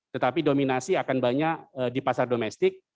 tetapi dominasi akan banyak di pasar domestik